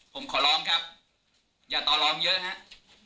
ผมขอร้องครับอย่าต่อร้องเยอะครับ